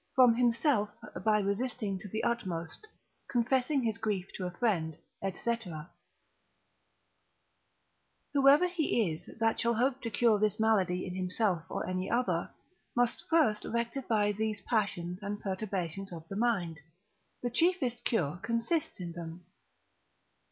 From himself, by resisting to the utmost, confessing his grief to a friend, &c._ Whosoever he is that shall hope to cure this malady in himself or any other, must first rectify these passions and perturbations of the mind: the chiefest cure consists in them.